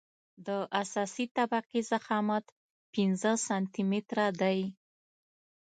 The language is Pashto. د اساسي طبقې ضخامت پنځه سانتي متره دی